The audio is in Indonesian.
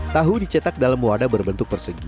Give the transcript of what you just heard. tahu dicetak dalam wadah berbentuk persegi